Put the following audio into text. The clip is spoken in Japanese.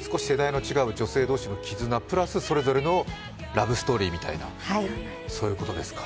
少し世代の違う女性同士の絆プラス、それぞれのラブストーリーみたいなことですか。